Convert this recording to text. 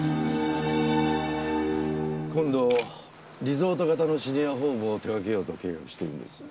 今度リゾート型のシニアホームを手掛けようと計画してるんです。